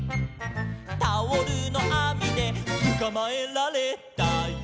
「タオルのあみでつかまえられたよ」